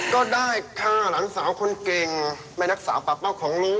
ก็ได้ค่ะหลังสาวคนเก่งแม่นักสาวประเป๋าของลูก